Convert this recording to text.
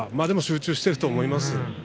でも集中していると思います。